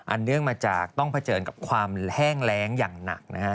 เนื่องมาจากต้องเผชิญกับความแห้งแรงอย่างหนักนะฮะ